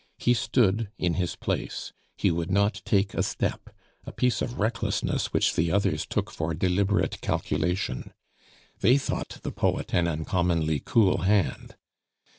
He stood in his place; he would not take a step, a piece of recklessness which the others took for deliberate calculation. They thought the poet an uncommonly cool hand.